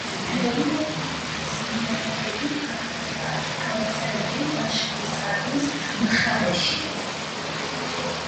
ყავისფერი მთის ტყის ნიადაგები ფართოდაა გავრცელებული დაშქესანის მხარეში.